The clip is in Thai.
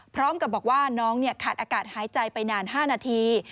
พร้อมกับบอกว่าน้องขาดอากาศหายใจไปนาน๕นาที